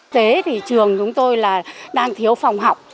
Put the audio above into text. thế thì trường chúng tôi là đang thiếu phòng học